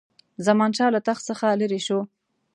زمانشاه له تخت څخه لیري شو.